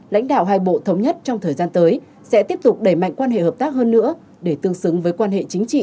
lãnh đạo hai bộ thống nhất trong thời gian tới sẽ tiếp tục đẩy mạnh quan hệ hợp tác hơn nữa để tương xứng với quan hệ chính trị